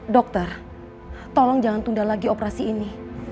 dokter tolong jangan tunda lagi operasi ini